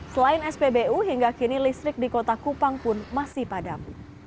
selain spbu hingga kini listrik di kota kupang pun masih padam